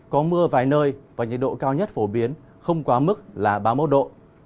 có mưa vài nơi và nhiệt độ cao nhất phổ biến không quá mức là ba mươi một độ